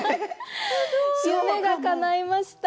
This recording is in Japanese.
夢がかないました。